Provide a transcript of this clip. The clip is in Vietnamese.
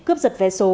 cướp giật vé số